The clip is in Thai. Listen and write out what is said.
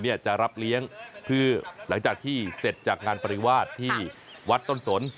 จะรับเลี้ยงคือหลังจากที่เสร็จจากงานปริวาสที่วัดต้นสน